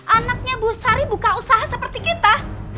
anaknya bu sari buka usaha seperti kita